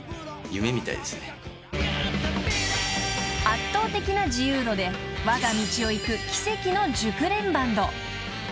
［圧倒的な自由度でわが道を行く奇跡の熟練バンド］